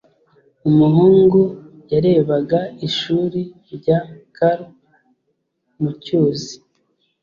Umuhungu yarebaga ishuri rya karp mu cyuzi.